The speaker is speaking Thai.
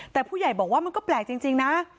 แต่ผู้ใหญ่บอกว่ามันก็แปลกจริงนะ